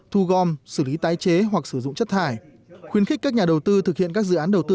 thu gom xử lý tái chế hoặc sử dụng chất thải khuyến khích các nhà đầu tư thực hiện các dự án đầu tư